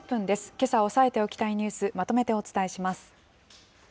けさ押さえておきたいニュース、まとめてお伝えします。